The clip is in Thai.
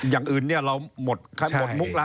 อย่างอื่นเนี่ยเราหมดมุกแล้ว